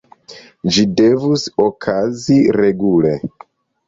Ĝi devus okazi regule.